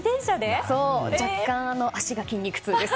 若干、足が筋肉痛です。